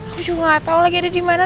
aku juga nggak tahu lagi ada di mana